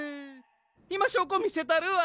いましょうこみせたるわ！